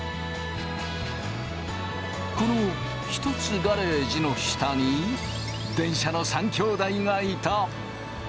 このひとつガレージの下に電車の３きょうだいがいた。